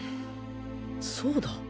そうだ